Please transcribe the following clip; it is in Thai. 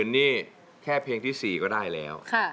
นี่แค่เพลงที่๔ก็ได้แล้ว